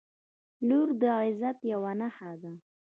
• لور د عزت یوه نښه ده.